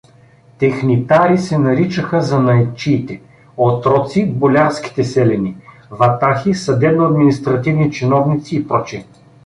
Технитари се наричаха занаятчиите, отроци — болярските селяни; ватахи — съдебно-административни чиновници и пр.